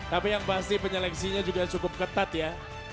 tapi yang pasti penyeleksinya juga cukup ketat ya